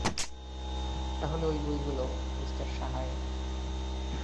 তাহলে ওই বইগুলো, মিস্টার সাহায়।